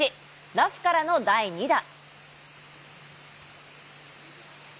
ラフからの第２打。